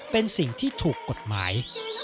เป็นสิ่งที่ถูกกฎหมาย